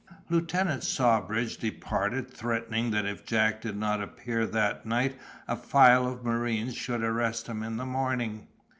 Lieutenant Sawbridge departed, threatening that if Jack did not appear that night a file of marines should arrest him in the morning.